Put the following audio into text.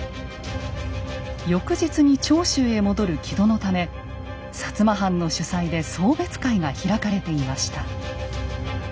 翌日に長州へ戻る木戸のため摩藩の主催で送別会が開かれていました。